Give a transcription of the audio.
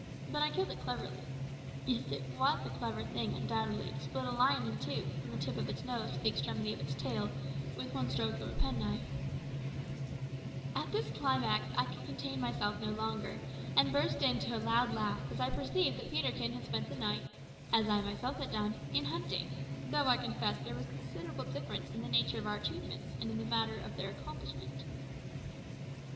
But I killed it cleverly. Yes, it was a clever thing, undoubtedly, to split a lion in two, from the tip of its nose to the extremity of its tail, with one stroke of a penknife " At this climax I could contain myself no longer, and burst into a loud laugh as I perceived that Peterkin had spent the night, as I myself had done, in hunting though, I confess, there was a considerable difference in the nature of our achievements, and in the manner of their accomplishment.